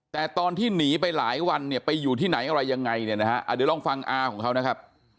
แต่ตอนที่หนีไปหลายวันเนี่ยไปอยู่ที่ไหนอะไรยังไงเนี่ยนะฮะ